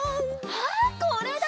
あっこれだ！